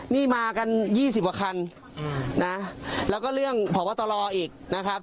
นี่มากันยี่สิบกว่าคันนะแล้วก็เรื่องผ่องว่าตลออีกนะครับ